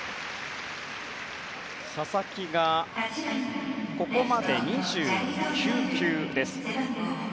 佐々木がここまで２９球です。